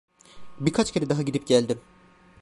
Birkaç kere daha gidip geldim.